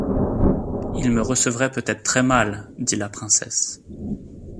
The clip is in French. Ils me recevraient peut-être très mal! dit la princesse.